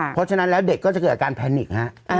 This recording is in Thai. เพราะฉะนั้นแล้วเด็กก็จะเกิดอาการแพนิกฮะ